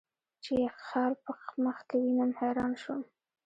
چې یې خال په مخ کې وینم، حیران شوم.